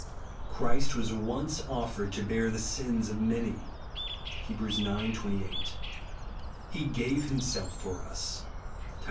"Christ w^as once offered to bear the sins of many," (Heb. ix. 28). " He gave himself for us," (Tit.